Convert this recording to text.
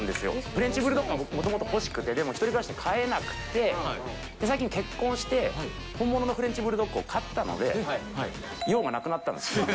フレンチブルドッグが僕、もともと欲しくて、でも１人暮らしで飼えなくて、最近結婚して、本物のフレンチブルドッグを飼ったので、かわいそう。